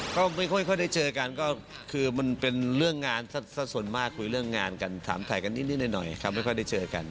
ก็ไม่ค่อยได้เจอกันก็คือมันเป็นเรื่องงานสักส่วนมากคุยเรื่องงานกันถามถ่ายกันนิดหน่อยครับไม่ค่อยได้เจอกัน